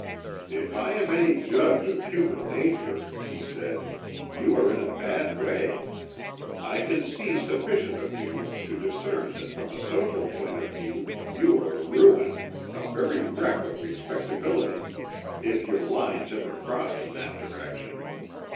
"If I am any judge of human nature," he said, "you are in a bad way. I can see sufficient of you to discern that from a social point of view you are a ruin, a very wreck of respectability, if your lines ever crossed in that direction.